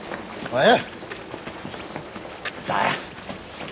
おい。